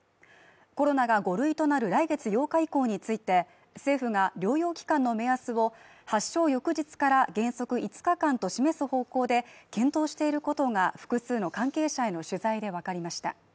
コロナが５類となる来月８日以降について、政府が療養期間の目安を発症翌日から原則５日間と示す方向で検討していることが複数の関係者への取材でわかりました。